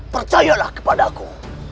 percayalah kepada aku